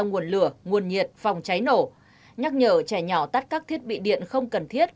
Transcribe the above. nguồn lửa nguồn nhiệt phòng cháy nổ nhắc nhở trẻ nhỏ tắt các thiết bị điện không cần thiết